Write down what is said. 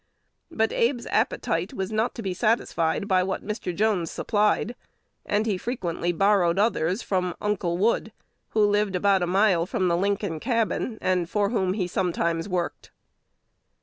But Abe's appetite was not to be satisfied by what Mr. Jones supplied; and he frequently borrowed others from "Uncle Wood," who lived about a mile from the Lincoln cabin, and for whom he sometimes worked.